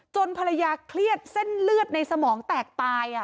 ภรรยาเครียดเส้นเลือดในสมองแตกตาย